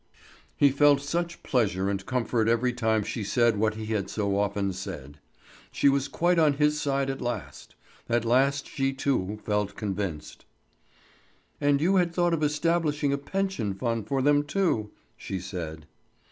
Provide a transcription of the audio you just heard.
He felt such pleasure and comfort every time she said what he had so often said. She was quite on his side at last. At last she, too, felt convinced. "And you had thought of establishing a pension fund for them, too," she said.